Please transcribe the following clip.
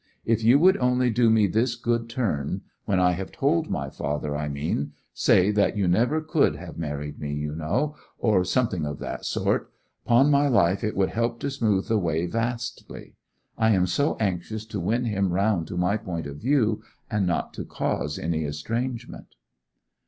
If you would only do me this good turn—when I have told my father, I mean—say that you never could have married me, you know, or something of that sort—'pon my life it will help to smooth the way vastly. I am so anxious to win him round to my point of view, and not to cause any estrangement.